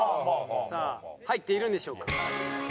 さあ入っているんでしょうか？